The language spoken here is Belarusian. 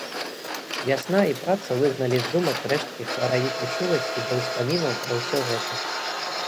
Вясна і праца выгналі з думак рэшткі хваравітай чуласці да ўспамінаў пра ўсё гэта.